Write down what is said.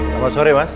selamat sore mas